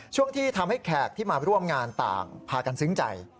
ช่วงที่ทำให้แขกที่มาร่วมงานต่างพากันซึ้งใจ